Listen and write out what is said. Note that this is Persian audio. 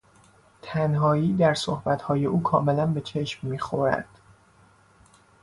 تنهایی در صحبتهای او کاملا به چشم میخورد.